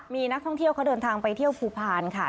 มีนักท่องเที่ยวเขาเดินทางไปเที่ยวภูพาลค่ะ